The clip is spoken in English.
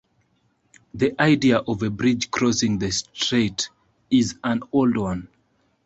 The idea of a bridge crossing the strait is an old one.